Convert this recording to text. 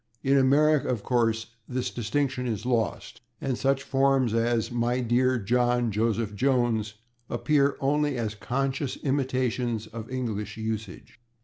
In America, of course, this distinction is lost, and such forms as /My dear John Joseph Jones/ appear only as conscious imitations of English usage.